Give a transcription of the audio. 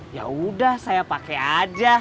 yaudah saya pake aja